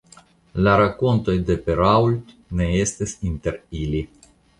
La rakontoj de Perault ne estis inter ili.